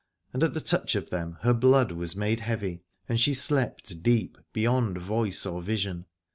And at the touch of them her blood was made heavy, and she slept deep, beyond voice or vision.